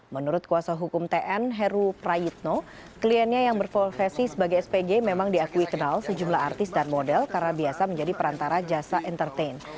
menurut kuasa hukum tn heru prayitno kliennya yang berprofesi sebagai spg memang diakui kenal sejumlah artis dan model karena biasa menjadi perantara jasa entertain